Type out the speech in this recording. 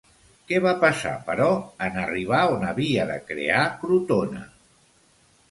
Què va passar, però, en arribar on havia de crear Crotona?